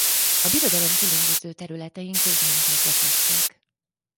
A Birodalom különböző területein közmunkákba kezdtek.